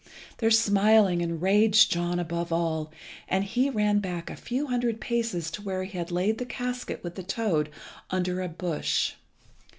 Their smiling enraged John above all, and he ran back a few hundred paces to where he had laid the casket with the toad under a bush.